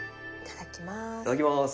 いただきます。